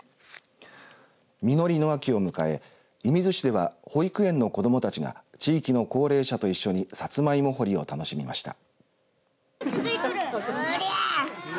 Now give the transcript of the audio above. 実りの秋を迎え射水市では保育園の子どもたちが地域の高齢者と一緒にさつまいも堀りを楽しみました。